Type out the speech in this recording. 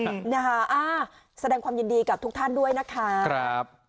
นะคะอ่าแสดงความยินดีกับทุกท่านด้วยนะคะครับ